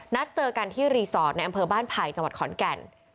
นัดเจอกันที่รีสอร์ทในอำเภอบ้านไผ่จังหวัดขอนแก่น